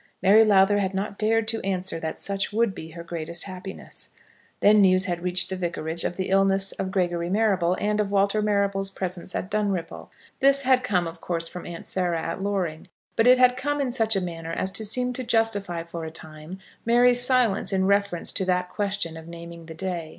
Mary Lowther had not dared to answer that such would be her greatest happiness. Then news had reached the vicarage of the illness of Gregory Marrable, and of Walter Marrable's presence at Dunripple. This had come of course from Aunt Sarah, at Loring; but it had come in such a manner as to seem to justify, for a time, Mary's silence in reference to that question of naming the day.